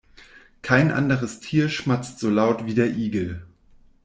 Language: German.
Kein anderes Tier schmatzt so laut wie der Igel.